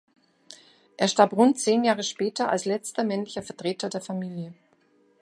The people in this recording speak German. Er starb rund zehn Jahre später als letzter männlicher Vertreter der Familie.